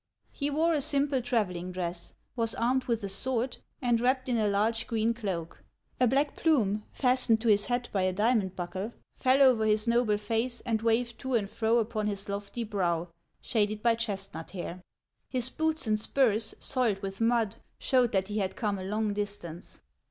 He wore a simple travelling dress, was armed with a sword, and wrapped in a large green cloak ; a black plume, fas tened to his hat by a diamond buckle, fell over his noble face and waved to and fro upon his lofty brow, shaded by 32 HANS OF ICELAND. chestnut hair; his boots and spurs, soiled with mud, showed that he had come a long distance.